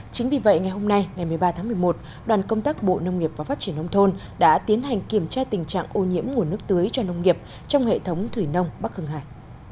chính vì vậy ngày hôm nay ngày một mươi ba tháng một mươi một đoàn công tác bộ nông nghiệp và phát triển nông thôn đã tiến hành kiểm tra tình trạng ô nhiễm nguồn nước tưới cho nông nghiệp trong hệ thống thủy nông bắc hưng hải